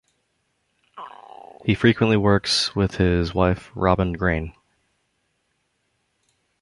He frequently works with his wife Robin Green.